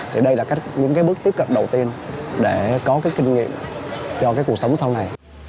thì đây là những cái bước tiếp cận đầu tiên để có cái kinh nghiệm cho cái cuộc sống sau này